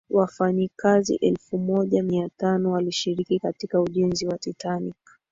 wafanyikazi elfu moja mia tano walishiriki katika ujenzi wa titanic